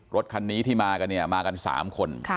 รถคันนี้ที่มากันเนี่ยมากัน๓คน